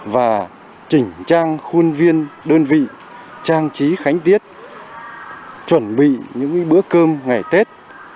và chỉnh trang khuôn viên đơn vị trang trí khánh tiết chuẩn bị những bữa cơm ngày tết